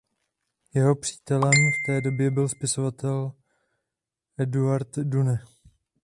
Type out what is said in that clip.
Jeho přítelem v té době byl spisovatel Eduard Dune.